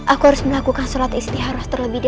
aku harus melakukan sholat istiharus terlebih dahulu